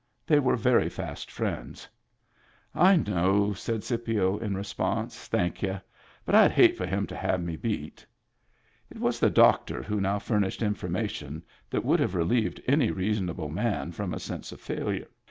They were very fast friends. "I know," said Scipio in response. "Thank y'u. But I'd hate for him to have me beat." It was the doctor who now furnished information that would have relieved any reasonable man from a sense of failure.